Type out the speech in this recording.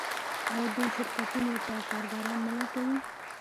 آیا دوی شرکتونو ته کارګران نه لټوي؟